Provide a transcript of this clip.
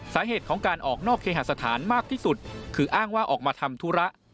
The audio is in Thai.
สาเหตุของการออกนอกเคหาสถานมากที่สุดคืออ้างว่าออกมาทำธุระ